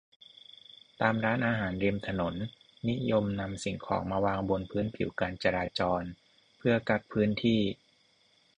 ตามร้านอาหารริมถนน นิยมนำสิ่งของมาวางบนพื้นผิวการจราจร เพื่อกั๊กพื้นที่